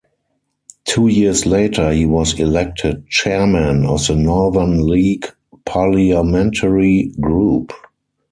Two years later, he was elected Chairman of the Northern League Parliamentary Group.